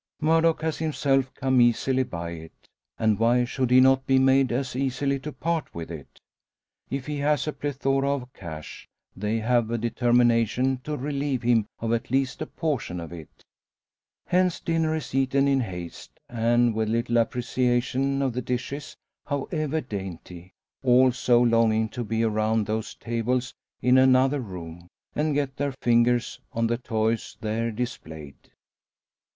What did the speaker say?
Murdock has himself come easily by it, and why should he not be made as easily to part with it? If he has a plethora of cash, they have a determination to relieve him of at least a portion of it. Hence dinner is eaten in haste, and with little appreciation of the dishes, however dainty; all so longing to be around those tables in another room, and get their fingers on the toys there displayed.